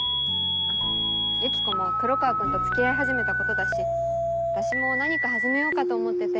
あっユキコも黒川君と付き合い始めたことだし私も何か始めようかと思ってて。